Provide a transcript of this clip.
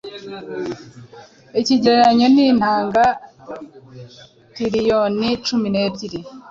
Ikigereranyo ni intanga tiriyoni cumi nebyiri